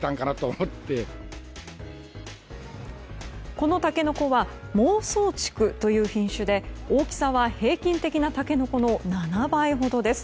このタケノコは孟宗竹という品種で大きさは平均的なタケノコの７倍ほどです。